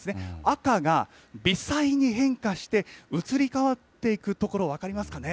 赤が微細に変化して、移り変わっていく所、分かりますかね。